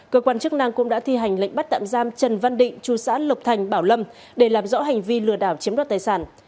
cơ quan chức năng cũng đã thi hành lệnh bắt tạm giam trần văn định chú xã lộc thành bảo lâm để làm rõ hành vi lừa đảo chiếm đoạt tài sản